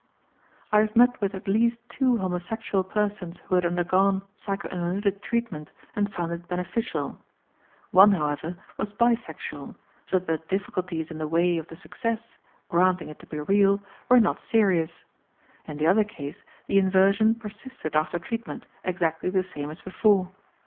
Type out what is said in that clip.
I have met with at least two homosexual persons who had undergone psychoanalytic treatment and found it beneficial. One, however, was bisexual, so that the difficulties in the way of the success granting it to be real were not serious. In the other case, the inversion persisted after treatment, exactly the same as before.